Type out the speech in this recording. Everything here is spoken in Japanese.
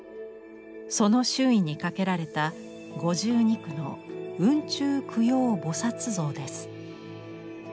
その周囲に掛けられた５２躯の雲中供養菩像です。